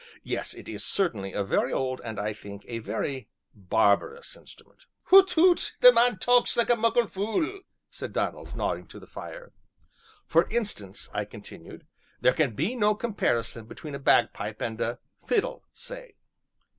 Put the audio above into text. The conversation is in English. Yes, it is certainly a very old, and, I think, a very barbarous instrument." "Hoot toot! the man talks like a muckle fule," said Donald, nodding to the fire. "For instance," I continued, "there can be no comparison between a bagpipe and a fiddle, say."